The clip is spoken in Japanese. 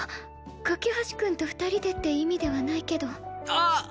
架橋君と２人でって意味ではないけどああっ！